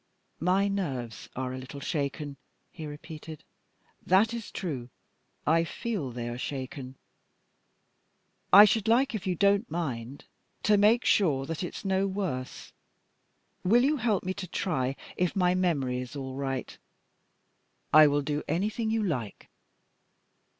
"My nerves are a little shaken," he repeated. "That is true; I feel they are shaken. I should like, if you don't mind, to make sure that it's no worse. Will you help me to try if my memory is all right?" "I will do anything you like."